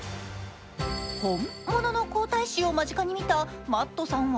本物の皇太子を間近にＭａｔｔさんは